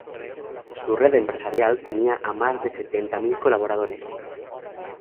Su red empresarial tenía a más de sesenta mil colaboradores.